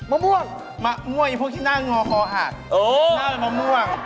มะม่วงมะม่วงพวกที่หน้างอคอหักหน้ามะม่วง